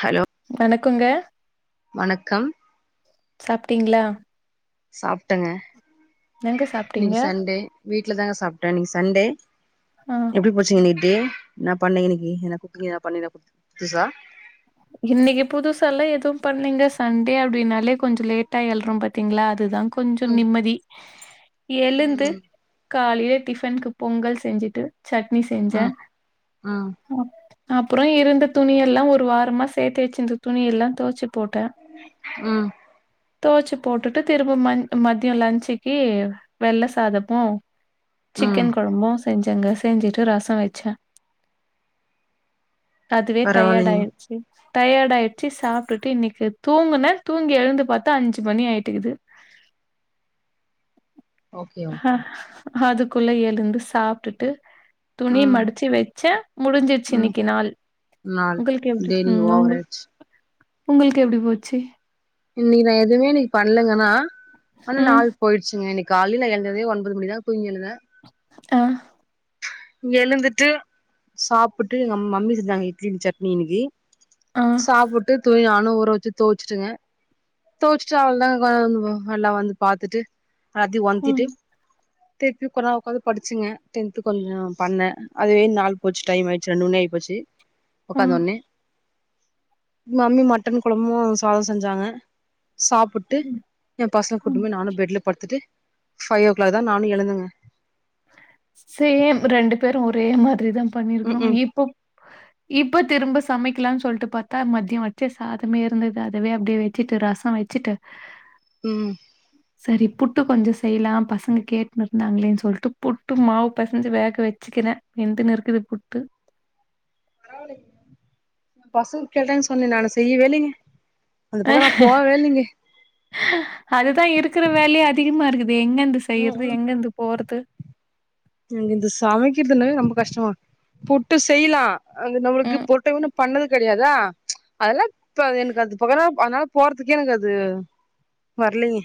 Hello வணக்கொங்க வணக்கம் சாப்பிட்டீங்ளா சாப்டங்க எங்க சாப்ட்டீங்க இன்னைக்கு சண்டே வீட்ல தாங்க சாப்ட்டே இன்னைக்கு சண்டே ஆ எப்டி போச்சு சினிடே என்னா பண்ணீங்க இன்னைக்கி எதுனா குக்கிங் எதுனா பண்ணீ எதா குத் புதுசா இன்னைக்கு புதுசா லா எதுவு பண்லிங்க சண்டே அப்டின்னாலே கொஞ்ச லேட்டா எழுறோம் பத்தீங்ளா அதுதான் கொஞ்சோ ம் நிம்மதி எழுந்து ம் காலையிலே டிஃபன்க்கு பொங்கல் செஞ்சுட்டு சட்னி செஞ்சே ம் ம் அ அப்புறொ இருந்த துணி எல்லா ஒரு வாரமா சேத்து வெச்சிருந்த துணி எல்லா தொவச்சு போட்ட ம் தோச்சி போட்டுட்டு திரும்ப மஞ் மதியம் லஞன்சுக்கி வெள்ள சாதமு ம் சிக்கன் கொழம்பு செஞ்சங்க செஞ்சுட்டு ரசோ வச்சே அதுவே டயர்ட் பரவால்லைங்க ஆயிடுச்சு டயர்டாயிடுச்சி சாப்ட்டுட்டு இன்னைக்கு தூங்குன தூங்கி எழுந்து பாத்தா அஞ்சு மணி ஆயிட்டிக்குது [inaudible] அஹ ஓகே அதுக்குள்ள எழுந்து சாப்டுட்டு துணி ம் மடிச்சி வெச்ச முடிஞ்சிச்சு ம் இன்னிக்கு நாள் நாள் உங்களுக்கு எப்டி டே நீங்க ம் ஓவர் உங்கள் ஆயிடுச்சு உங்களுக்கு எப்டி போச்சி இன்னக்கி நா எதுவுமே இன்னக்கி பண்ணலங்கன்னா ஆனா ம் நாள் போயிடுச்சுங்க இன்னைக் காலையில எழுந்ததுதே ஒன்பது மணிதா தூங்கியெழுந்தே ஆ எழுந்துட்டு சாப்புட்டு எங்க மம்மி செஞ்சாங்க இட்லிக்கு சட்னி இன்னக்கி ஆ சாப்புட்டு துணியானு ஊர வச்சிட்டு தோச்சுட்டுங்க தோச்சுட்டு அவ்ளதாங்க எல்லா வந்து பாத்துட்டு ஆதி ம் ஒன்திட்டு திருப்பி கொஞ்நேரொ உட்காந்து படிச்சேங்க டென்த்து கொஞ்சம் பண்ண அதுவே நாள் போச்சு டைம் ஆயிடுச்சு ரண்டு மணி ஆயி போச்சி ஆ ஒக்காந்த ஒட்னே மம்மி மட்டன் கொழம்பூ சாதொ செஞ்சாங்க சாப்புட்டு ம் என் பசங்க கூட்டுன் ம் போய் நானு பெட்ல படுத்துட்டு ஃபைய் யோ கிளாக் தா நானு எழுந்தங்க சேம் ரெண்டு பேரு ஒரே மாதிரிதா ம் பண்ணிருக்கிறோ ம் இப்போ இப்போ திரும்ப சமைக்கலான் சொல்ட்டு பாத்தா மதியொ வச்ச சாதமே இருந்தது அதவே அப்டே வச்சிட்டு ரசொ வச்சிட்டு ம் சரி புட்டு கொஞ்ச செய்லா பசங்க கேட்டுனு இருந்தாங்களேன் சொல்ட்டு புட்டு மாவு பெசஞ்சு வேக வச்சுக்கிறே வெந்துனு இருக்குது புட்டு பசங் கேட்டாங்கன்னு சொன்னே நானு செய்யவே இல்லங்க அந்த பக்கம் நா போகவே இல்லைங்க அதுதா இருக்கிற வேலையே அதிகமா இருக்குதே எங்கயிருந்து ம் ம் செய்றது எங்கயிருந்து போறது எனக்கு இந்த சமைக்கிறதுனாவே ரொம்ப கஷ்டமா புட்டு செய்லா அங்க நம்மளுக்கு ம். பொட்டனோ பண்ணது கெடையாதா அதெல்லா இப்ப எனக்கு அது பக்கன அதனால போறதுக்கே எனக்கு அது வர்லைங்க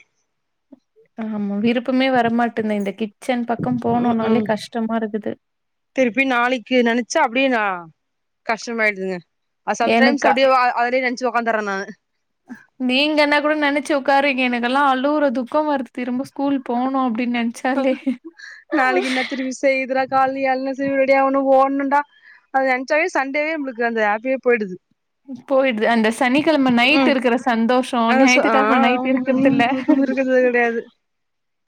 ஆமா விருப்பமே வரமாட்டேந்தே இந்த கிச்சன் பக்கம் ம் போனோம்னாலே ம் கஷ்டமா இருக்குது திருப்பி நாளைக்கி நெனைச்சா அப்டியே நா கஷ்டமாயிடுதுங்க சம்டைம்ஸ் எனக்கா அப்டியே வ அதுலேயே நென்ச்சு உக்காந்தரே நானு நீங்க என்ன கூட நெனைச்சு உட்காரீங்க எனக்கெல்லா அழுவுற துக்கமா இருக்கு திரும்ப ஸ்கூல் போணு அப் இப்டி நெனச்சாலே தெரியிதுறா காலைல எழனு சீக்கிர ரெடியா ஆகனு ஓடனன்டா அத நெனச்சாவே சண்டேவே நமளுக்கு அந்த ஹாப்பியே போயிடுது போயிடுது அந்த ஸ் சனிக்கிழம நைட் ம் இருக்கற சந்தோஷோ அத சொ ஆ ஞாயித்துக்கிழம நைட் இருக்கிறதில்ல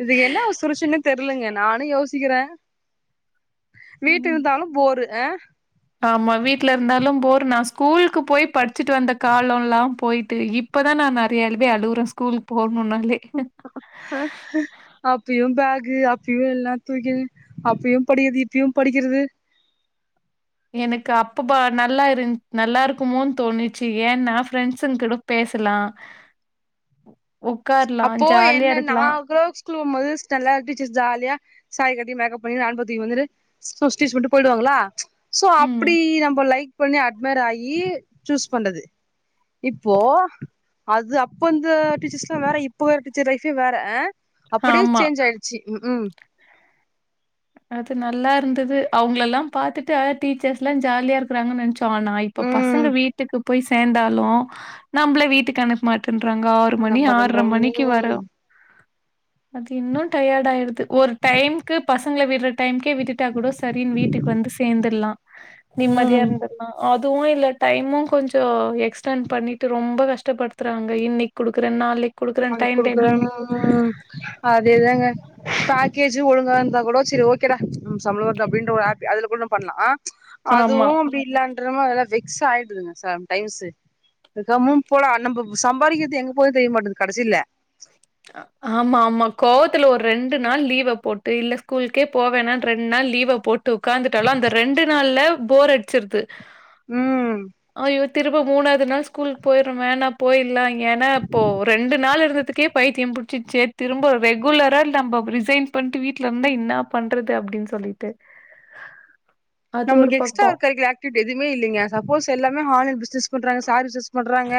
இது என்ன ஒஸ் புருசன்னு தெர்லங்க நானு யோசிக்றே வீட்ல ம். இருந்தாலு போரு ஆ ஆமா வீட்ல இருந்தாலு போரு நா ஸ்கூலுக்கு போய் படிச்சுட்டு வந்த காலொல்லா போயிட்டு இப்பதா நா நெறையாவே அழுவுரே ஸ்கூல் போணுனுனாலே ஹ ஹ அப்பயு பேக்கு அப்பயு எல்லா தூக்கி அப்பயு படிக்கிறது இப்பயு படிக்கிறது எனக்கு அப்பப்ப நல்லா இரு நல்லா இருக்குமோன்னு தோணிச்சு ஏனா ஃப்ரெண்ட்ஸுங்க கூட பேசலா அப்போ ஜாலியா என்ன இருக்கலாம் நாக்ரோச் தூங்கும்போது ஸ்டெல்லா டீச்சர் ஜாலியா சாரி கட்டி மேக்கப் பண்ணி கேன் பேக் தூக்கி வந்துரு சுஸ்டிஸ் விட்டு போயிடுவாங்களா சோ ம் அப்டி நம்ம லைக் பண்ணி அட்மர் ஆயி சூஸ் பண்றது இப்போ அது அப்போ அந்த டீச்சர்ஸ்ல்லா வேற இப்ப வேற டீச்சர் லைஃப்பே வேற அ அப்டியே ஆமா சேஞ்ச் ஆயிடுச்சு அது நல்லா இருந்தது அவுங்களலா பாத்துட்டு அத டீச்சர்ஸ்ல்லா ஜாலியா இருக் அனுப்புறாங்கனு நெனச்சோ ஆனா இப்ப ம் பசங்க வீட்டுக்கு போய் சேந்தாலு நம்மள வீட்டுக்கு அனுப் மாட்டேன்றாங்க ஆறு என்ன மணி ஆற்ர பண்றன் மணிக்கு ம் வரோ அது இன்னு டயட் ஆயிடுது ஒரு டைம்க்கு ப சங்கள விட்ற டைம்கே விட்டுட்டா கூட சரின்னு வீட்டுக்கு வந்து சேந்துலா நிம்மதியா ம் இருந்தர்லா அதுவு இல்ல டைமு கொஞ்சோ எக்ஸ்டெண்ட் பண்ணிட்டு ரொம்ப கஷ்டப்படுத்துறாங்க இன்னைக்கி குடுக்குறே நாளைக் நாளைக் குடுக்குறா [inaudible] அதேதாங்க பேக்கேஜூ ஒழுங்கா இருந்தா கூட செரி ஓக்கேடா ம் சம்பளம் வருது அப்டின்ற ஒரு ஹப்பி அதுல கூட நம்ம பண்ணலா ஆமா. அதுவு அப்டி இல்லான்றம அதெல்லா வெக் ஸ் ஆயிடுதுங்க சார் அந்த டைம்ஸு கம்முனு போலா நம்ப சம்பாரிக்கிறது எங்க போகுதுனு தெரிய மாட்டுது கடசில ஆமா ஆமா கோவத்துல ஒரு ரெண்டு நாள் லீவ போட்டு இல்ல ஸ்கூலுக்கே போ வேணானு ரெண்டு நாள் லீவ போட் டு உகாந்துட்டாலு அந்த ரெண்டு நாள்ல போர் அடிச்சிருது ம் அய்யோ திரும்ப மூணாவது நாள் ஸ்கூல் போயிருமேன்னா போயிர்லா ஏனா இப்போ ரெண்டு நாள் இருந்ததுக் கே பைத்தியம் பிடிச்சிச்சே திரும்ப ரெகுலரா நம்ப ரிசைன் பண்ணிட்டு வீட்ல இருந்தா என்ன பண்றது அப்டின்னு சொல்லி டு நமக்கு எக்ஸ்ட்ரா ஒரு கரிகுலர் அக்டிவிட்டி எதுமே இல்லைங்க சப்போஸ் எல்லாமே ஹான்லைன் பிசினஸ் பண்றாங்க சாரி சஸ் பண்றாங்க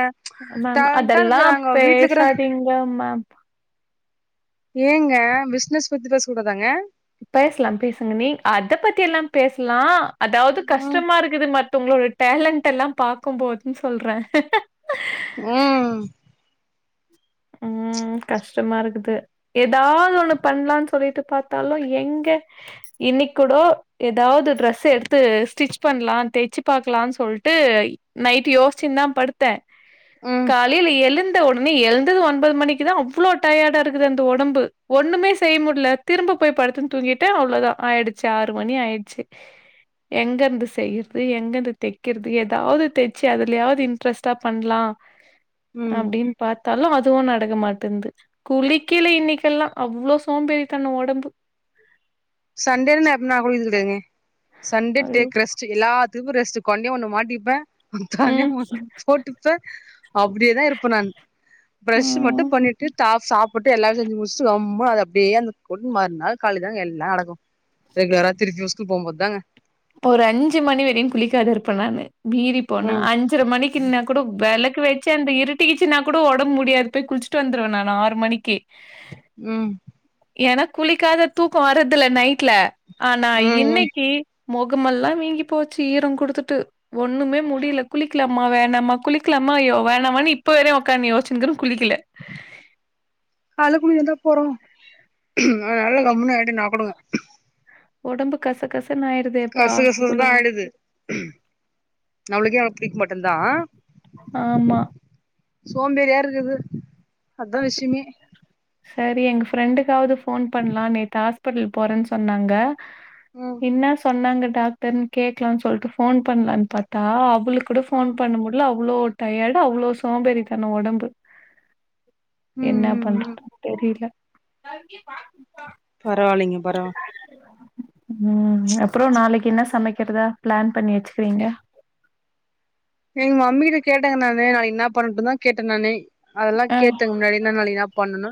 மேம் டேலண்டா அதெல்லா இருக்குறாங்க வீட்ல இருக்குற பேசாதீங்க மேம் ஏங்க பிசினஸ் பத்தி பேச கூடாதாங்க பேசலா பேசுங்க நீ அத பத்தி எல்லா பேசலா அதாவது ம் கஷ்டமா இருக் குது மத்தவங்களோட டேலணடெல்லா பாக்கும்போதுன்னு சொல்றே ம் ம் கஷ்டமா இருக்குது ஏதாவது ஒண்ணு பண்ணலான்னு சொல்லிட்டு பாத்தாலு எங்க இன்னைக்கூடோ ஏதாவது ட்ரெஸ் எடுத்து ஸ்டிச் பண்ணலா தெச்சு பாக்கலானு சொல்ட்டு நைட் யோசிச்சுனு தா படுத்தே ம் காலையில எழுந்த உடனே எழு தது ஒன்பது மணிக்கு தா அவ்ளோ டயர்டா இருக்குது அந்த ஒடம்பு ஒண்ணுமே செய்ய முடில திரும்ப போய் படுத்து தூங்கிட் டு அவ்ளோதா ஆயிடுச்சு ஆறு மணி ஆயிடுச்சு எங்க இருந்து செய்யறது எங்கந்து தெக்கிறது எதாவது தெச்சு அதுலயாவது இன்ட்ரெஸ்ட்டா பண்லா ம் அப்டின்னு பாத் தாலு அதுவு நடக்க மாட்டேனுது குளிக்கல இன்னைக்கெல்லா அவ்ளோ சோம்பேறிதனோ ஒடம்பு சன்டேல நா எப் நா குளிக்குது கெடையாதுங்க சன்டே ஐயோ டேக் ரெஸ் ச்சு எல்லாத்துக்கு ரெஸ்ட் கொண்டையு ஒண்ணு மாட்டிப்பே தனியா ம் ஒண்ணு போட்டு தோ அப்டியேதா இருப்பே நான் ப்ரஷ் மட்டு ம் பண்ணிட்டு தா சாப்பிட்டு எல்லா செஞ்சு முடிச்சுட்டு ரொம்ப அத அப்டியே அந்த போட்டு மறுநாள் காலையிலதாங்க எல்லா நடக்கு ரெகுலரா திருப்பியு ஸ்கூல் போம்போது தாங்க ஒரு அஞ்சு மணி வரையு குளிக்காதிருப்பே நானு மீறி போனா ம் அஞ் அஞ்சர மணிக்குனா கூடா வெளக்கு வெச்சு அந்த இருட்டிகிச்சு கூடா ஒடம்பு முடியாது போய் குளிச்சுட்டு வந்துருவே நானு ஆறு மணிக்கி ம் எனக் குளிக்காத தூக்கோ வரதுல்ல நைட்ல ஆனா ம் ம் இன்னைக்கி மொகமெல்லா வீங்கி போச்சு ஈர குடுத்துட்டு ஒண்ணுமே முடியல குளிக்கலாமா வேணாமா குளிக்கலாமா யோ வேணாமான்னு இப்ப வர்ற உட்கானு யோச்சிட்டு இருக்கே குளிக்கல காலைலில குளிகறதாருந்தா போது அதனால கம்முனு ஆயிட்டு நா குடுங்க ஒடம்பு கச கச னாயிருதே கச கசதா ஆயிடுது நம்ளுக்கே நம்மள புடிக்க மாட்டுனு தா ஆமா சோம்பேறியா இருக்கறது அதா விஷயமே சரி எங்க ஃப்ரெண்டுக்காவது ஃபோன் பண்லா நேத்து ஹாஸ்பிட்டல் போறேன்னு சொன்னாங்க ம் என்ன சொன்னாங்க டாக்டர்னு கேக்கலானு சொல்ட்டு ஃபோன் பண்லான்னு பாத்தா ளுக் கூட ஃபோன் ம் பண்ண முட்ல அவ்ளோ டயர்டு அவ்ளோ சோம்பேறித்தனோ ஒடம்பு என்னாப் ம் ம் பண்றது தெரில பரவால்லைங்க பரோ ம் அப்றோ நாளைக்கி என்ன சமைக்கிறதா பிளான் பண்ணி வச்சுக்கீங்க எங்க மம்மி கிட்ட கேட்டேங்க நானு நாளைக்கி என்னாப் பண்ணட்டுந்தா கேட்டே நானு அதெல்லா கேத்ததுக்கு முன்னாடி என்னா வேலயெல்லா பண்ணணு ஆ.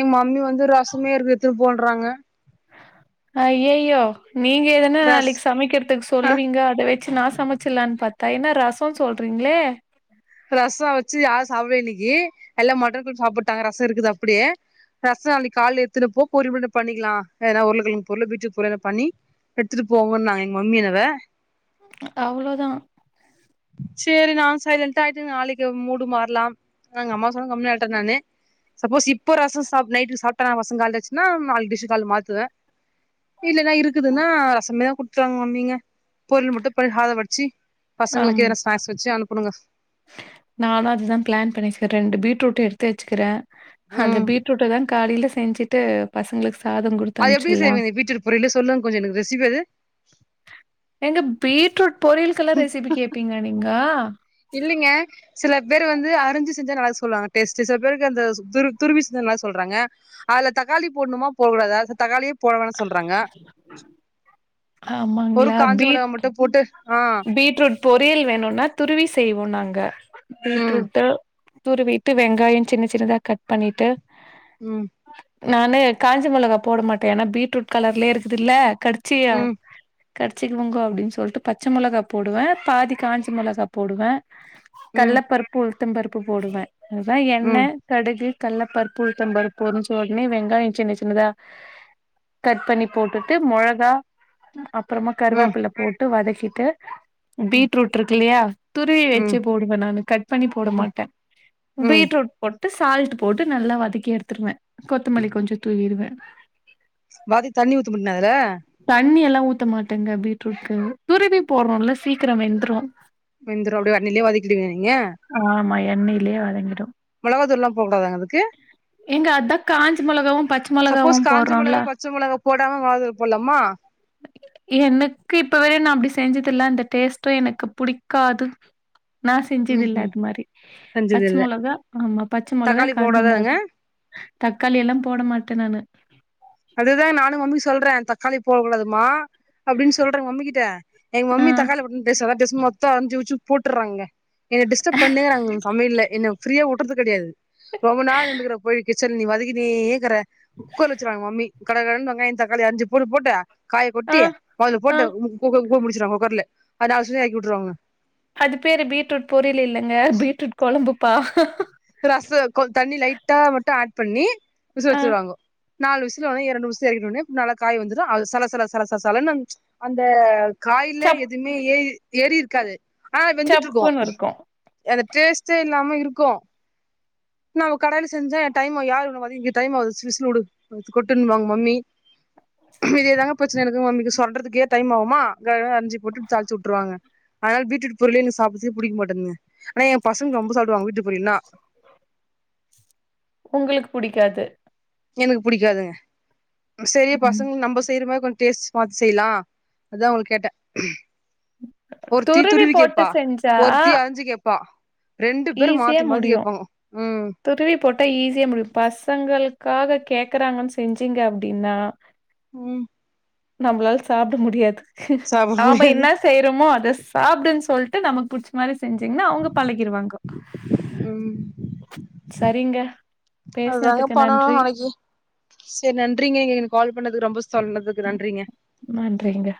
எங்க மம்மி வந்து ரசம்மே இருக்கு எடுத்துனு போன்றாங்க ஐய்யையோ நீங்க எதனா ரஸ் நாளைக்கி சமைக்கிறதுக்கு சொல்லுவீங்க அத வச்சு நா சமைச்சரலானு பாத்தா என்ன ரசோ சொல்றீங்களே ரச வச்சு யாரு சாப்வே யின்னைக்கு எல்லா மட்டன் கூட சாப்பட்டாங்க ரச இருக்குது அப்டியே ரச நாளைக்கு காலையில எடுத்துன போ பொரியல் கூட பண்ணிக்கலா எதனா உருளைக்கெழங்கு பொரியல் பீட்ரூட் பொரியல்லோ பண்ணி எடுத்துட்டு போங்கன்னு நாங்க எங்க மம்மி எனவே அவ்ளோதா சேரி நா சைலண்ட் கட் ஆகிட்டுனு நாளைக்கி மூடு மாறலாம் நா எங்க அம்மா சொன்கம்னாட்டே நானு சப்போஸ் இப்போ ரச சாப்பிட் நைட் சாப்பிட்ட [unintelligible] ரச காலி ஆச்சுன்னா நாளைக்கி டிஸ் காலையில மாத்துவே இல்லன்னா இருக்குதுன்னா ரசமே தா குடுத்தறாங்க மம்மிங்க பொரியல் மட்டு பண் காதம் வடிச்சி பசங்களுக்கு ஏதன ஸ்நாக்ஸ் வச்சு அனுப்பணுங்க நானு அதுதா பிளான் பண்ணிகே ரெண்டு பீட்ரூட் எடுத்து வச்சுக்கிறே அந்த ம் பீட்ரூட தா காலையில செஞ்சுட்டு பசங்களுக்கு சாதம் குடுத் அது எப்டி செய்விங்க பிட்ரூட் பொரியலு சொல்ங்க கொஞ்சோ எனக்கு ரெசிபி அது ஏங்க பீட்ரூட் பொரியல்கெல்லா ரெசிபி கேப்பீங்களா நீங்க இல்லைங்க சில பேரு வந்து அரிஞ்சு செஞ்சா நல்லாயிருக்கு சொல்லுவாங்க டேஸ்ட் சில பேருக்கு அந்த துருவி செஞ்ச நல்லா சொல்றாங்க அதுல தக்காளி போட்ணுமா போடகுடாதா தக்காளியே போடவேன்னா சொல்றாங்க ஒரு ஆமாங்களா? காஞ்ச மிளகா பீட் மட்டு போட்டு ஆ பீட்ரூட் பொரியல் வேணும்னா துருவி செய்வோ நாங்க ம் பீட்ரூட்டு துருவிட்டு வெங்காயோ சின்ன சின்னதா கட் பண்ணிட்டு ம் நானு காஞ்ச மொளகா போட மாட்ட ஏன்னா பீட்ரூட் கலர்லே இருக்குதுல்ல கடுச் சியா ம் கடிச்சிக்குவாங்கோ அப்டின் சொல்ட்டு பச் ச்ச மொளகா போடுவ பாதி காஞ்ச மொளகா போடுவ ம் கள்ளப்பருப் உளுத்தம் பருப்பு போடுவ அதா எண்ண ம் கடுகு கள்ளப்பருப்பு உளுத்தம்பருப்பு பொரிஞ்ச ஒட்னே வெங்காயோ சின்ன சின்னதா கட் பண்ணி போட்டுட்டு மொழகா அப்பறமா ம் கருவேப்பில போட்டு வதக்கிட்டு ம் ம் பீட்ரூட் இருக்குல்லியா துருவி வச்சு ம் போடுவ நானு கட் பண்ணி போட மாட்ட ம் பீட்ரூட் போட்டு சால்ட் போட்டு நல்லா வதக்கி எடுத்துருவ கொத்துமல்லி கொஞ்சோ தூவிருவ பாதி தண்ணி ஊத்து முன்னதுல தண்ணி எல்லா ஊத்த மாட்டங்க பீட்ரூட்கு துருவி போட்றோல சீக்கரோ வெந்துரு வெந்துரு அப்டியே தண்ணிலே வதக்கிடுவீங்க நீங்க ஆமா எண்ணைலே வதங்கிடு மெளகா தூள்லா போட கூடாதாங்க அதுக்கு ஏங்க அதா காஞ்ச மொளகாவு பச்ச மொளகாவு சப்போஸ் காஞ்ச மொளகா போட்றோல பச்ச மொளகா போடாம வாதூள் போட்லாமா எனக்கு இப்ப வர நா அப்டி செஞ்சதில்ல அந்த டேஸ்ட்டூ எனக்கு புடிக்காது நா செஞ்சதில்ல ம்ஹும் அது மாரி செஞ்சது பச்ச இல்ல மொளகா ஆமா பச்ச மொளகா தக்காளி காஞ்ச போடாதாங்க மொளகா தக்காளி எல்லா போட மாட்ட நானு அதுதா நானு மம்மி சொல்ற தக்காளி போகூடாதுமா அப்டின்னு சொல்ற மம்மி கிட்ட எங்க ஆ மம்மி தக்காளி பத்திநீ பேசாதனு அப்டே சும்மா மொத்த அஞ்சு வச்சி போட்டறாங்க என்ன டிஸ்டர்ப் பண்ணேக்றாங்க சமையல்லே இன்னு ஃப்ரீயா வுட்டுறது கெடையாது ரொம்ப நாள் நிண்டுக்கற போயி கிச்சன் நீ வதக்கினே க்குற குக்கர் வச்சிருவாங்க மம்மி கட கடனு வெங்காயோ தக்காளி அஞ்சு பொரு போட்டு காய ஆ கொட்டி மொதல ஆ போட்டு முடிச்சுருவாங்க குக்கர்லே அத லாஸ்ட்ல எறக்கி உட்ருவாங்க அது பேரு பீட்ரூட் பொரியில் இல்லைங்க பீட்ரூட் கொழம்புப்பா ரச கொ தண்ணி லைட்டா மட்டு ஆட் பண்ணி விசு ஆ வச்சிருவாங்கோ நாலு விசுல ஒனே இரண்டு விசல எறக்கிட்ட ஒடனே நல்லா காய் வெந்துரு அது சலசல சலச சலனு அந்த காயில சப் எதுவுமே ஏறி ஏறி இருக்காது ஆனா வெந்துட்ருக்கு சப்புன்னு இருக்கு அந்த டேஸ்ட்டே இல்லாம இருக்கு நா ஒ கடாயில செஞ்சா எ டைம் யார் உன்ன வதக்கிட் இங்க டைம் ஆவுது சிலு சிலு வுடு அடுத்து கொட்டுன்னுவாங்க மம்மி இதேதாங்க பிரச்சன எனக்கு மம்மிக்கு சொல்றதுக்கே டைம் ஆவுமா கடகடனு அஞ்சி போட்டு தாளிச்சு வுட்ருவாங்க அதனால பீட்ரூட் பொரியலே என்க்கு சாப்செ புடிக்க மாட்டதுங்க ஆனா எ பசங்க ரொம்ப சாப்டுவாங்க வீட்டு பொரியல்னா [inaudible] உங்களுக்கு புடிக்காது எனக்கு புடிக்காதுங்க சரி ம் பசங்க நம்ப செய்ற மாரி கொஞ்சோ டேஸ்ட் பாத்து செய்லா அதா உங்க கேட்ட ஒருத்தி துருவி போட்டு கேப்பா செஞ்சா ஒருத்தி அரிஞ்சு கேப்பா ரெண்டு பேரு ஈஸியா மாத்தி மாத்தி முடியு கேப்பாங்க ம் துருவி போட்டா ஈஸியா முடியு பசங்களுக்காக கேக்கறாங்கன்னு செஞ்சீங்க அப்டின்னா ம் நம்ளால சாப்ட முடியாது சாப்ட ஆம்ப முடியாது என்ன செய்றோமோ அத சாப்டுனு சொல்ட்டு நமக்கு புடிச்ச மாரி செஞ்சிங்கனா அவுங்க பழகிரு ம் சரிங்க அதுதாங்க பேசுனதுக்கு பண்ணணு நன்றி நாளைக்கி செர் நன்றிங்க நீங்க நீ கால் பண்ணதுக்கு ரொம்பஸ்தலந்துக்கு நன்றிங்க நன்றிங்க